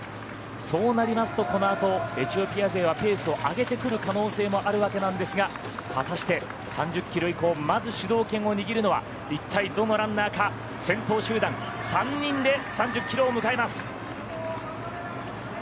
そうなりますとこのあとエチオピア勢はペースを上げてくる可能性もあるわけなんですが果たして３０キロ以降まず主導権を握るのは一体、どのランナーか先頭集団３人で３０キロを迎えます。